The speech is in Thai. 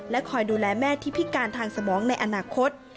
คอยดูแลแม่ที่พิการทางสมองในอนาคต